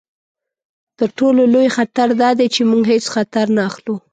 تر ټولو لوی خطر دا دی چې موږ هیڅ خطر نه اخلو.